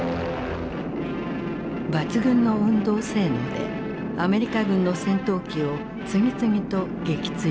抜群の運動性能でアメリカ軍の戦闘機を次々と撃墜した。